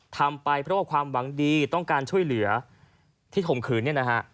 ทำไปเพราะว่าความหวังดีต้องการช่วยเหลือที่ถมขืน